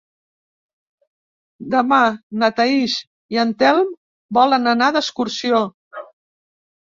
Demà na Thaís i en Telm volen anar d'excursió.